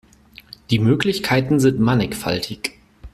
Die Möglichkeiten sind mannigfaltig.